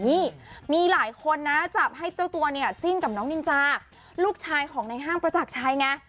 นี่มีหลายคนนะจับให้เจ้าตัวเนี่ยจิ้นกับน้องนินจาลูกชายของในห้างประจักรชัยไง